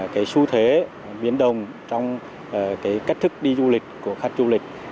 cái xu thế biến đồng trong cái cách thức đi du lịch của khách du lịch